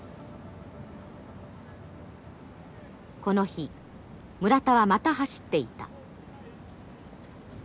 この日村田はまた走っていた。